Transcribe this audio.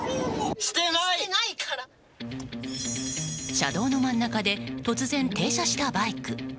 車道の真ん中で突然、停車したバイク。